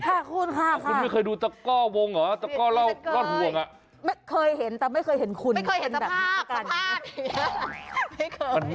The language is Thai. ถ้าคุณไม่เคยดูตะก้อวงหรือตะก้อรอดห่วง